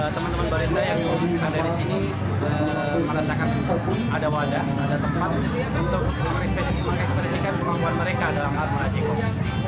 teman teman barista yang ada di sini merasakan ada wadah ada tempat untuk mengekspresikan kemampuan mereka dalam hal merajing